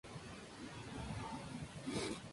Sancho jugó dos encuentros en la cita olímpica.